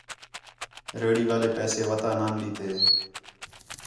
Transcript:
ریڑھی والے پیسے وَتا نان ݙِتّے